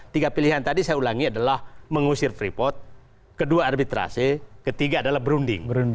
tiga pilihan tadi saya ulangi adalah mengusir freeport kedua arbitrasi ketiga adalah berunding